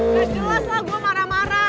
gak jelas lah gue marah marah